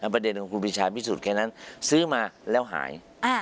ประเด็นของคุณพิชาพิสูจนแค่นั้นซื้อมาแล้วหาย